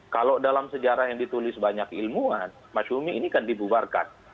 kalau dalam sejarah yang ditulis banyak ilmuwan masyumi ini kan dibubarkan